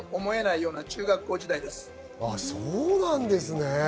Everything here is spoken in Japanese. そうなんですね。